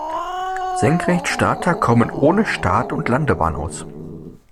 Senkrechtstarter kommen ohne Start- und Landebahn aus.